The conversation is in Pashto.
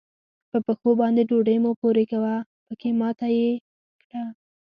په پښو باندې ډوډۍ مه پورې کوه؛ پکې ماته يې کړه.